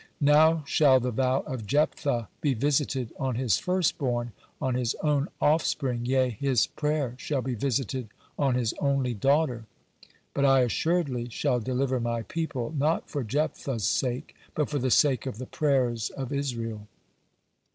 Now shall the vow of Jephthah be visited on his first born, on his own offspring, yea, his prayer shall be visited on his only daughter. But I assuredly shall deliver my people, not for Jephthah's sake, but for the sake of the prayers of Israel."